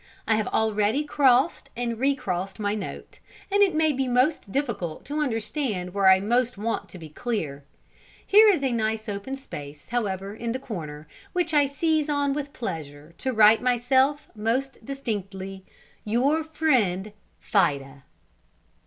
I have already crossed and recrossed my note, and may be most difficult to understand where I most want to be clear. Here is a nice open space, however, in the corner, which I seize on with pleasure to write myself most distinctly, "Your friend, "FIDA."